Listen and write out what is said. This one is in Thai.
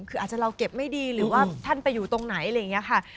คืออาจจะเราเก็บไม่ดีหรือว่าท่านไปอยู่ตรงไหนอะไรอย่างนี้ค่ะ